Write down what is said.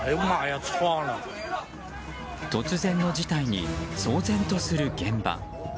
突然の事態に騒然とする現場。